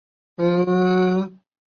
总觉得还不如先前看到的好